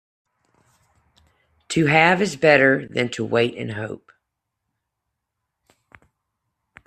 To have is better than to wait and hope.